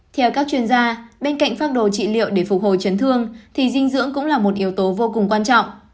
theo các chuyên gia bên cạnh phác đồ trị liệu để phục hồi chấn thương thì dinh dưỡng cũng là một yếu tố vô cùng quan trọng